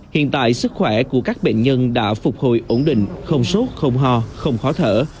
hiện tại sức khỏe của các bệnh nhân đã phục hồi ổn định không sốt không ho không khó thở